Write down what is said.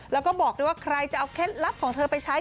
แล้วก็บอกด้วยว่าใครจะเอาเคล็ดลับของเธอไปใช้